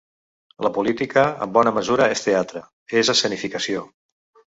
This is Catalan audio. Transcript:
La política en bona mesura és teatre, és escenificació.